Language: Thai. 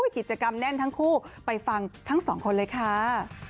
กิจกรรมแน่นทั้งคู่ไปฟังทั้งสองคนเลยค่ะ